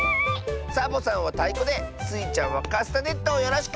サボさんはたいこでスイちゃんはカスタネットをよろしく！